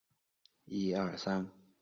不久复授援剿河南总兵官。